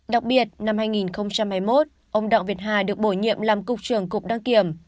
đặc biệt năm hai nghìn hai mươi một ông đặng việt hà được bổ nhiệm làm cục trưởng cục đăng kiểm